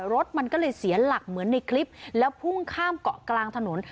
รถมันก็เลยเสียหลักเหมือนในคลิปแล้วพุ่งข้ามเกาะกลางถนน